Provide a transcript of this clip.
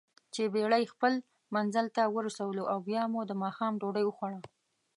چې بېړۍ خپل منزل ته ورسولواو بیا مو دماښام ډوډۍ وخوړه.